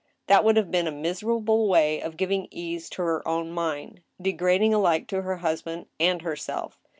That would have been a miserable way of giving ease to her own mind — degrading alike to her husband and herself.